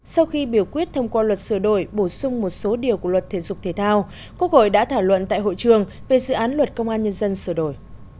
sau khi biểu quyết thông qua luật sửa đổi bổ sung một số điều của luật thể dục thể thao quốc hội đã thảo luận tại hội trường về dự án luật công an nhân dân sửa đổi